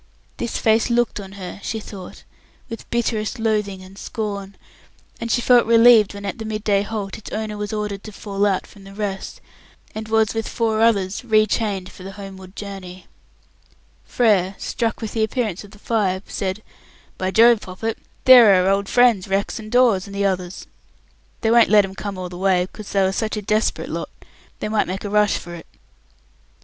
This face looked on her she thought with bitterest loathing and scorn, and she felt relieved when at the midday halt its owner was ordered to fall out from the rest, and was with four others re chained for the homeward journey. Frere, struck with the appearance of the five, said, "By Jove, Poppet, there are our old friends Rex and Dawes, and the others. They won't let 'em come all the way, because they are such a desperate lot, they might make a rush for it."